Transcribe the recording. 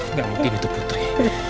nanti ditutup putri